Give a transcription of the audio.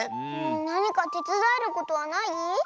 なにかてつだえることはない？